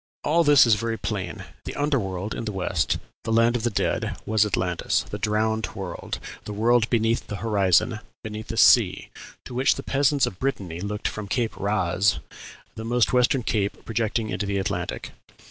All this is very plain: the under world in the West, the land of the dead, was Atlantis, the drowned world, the world beneath the horizon, beneath the sea, to which the peasants of Brittany looked from Cape Raz, the most western cape projecting into the Atlantic.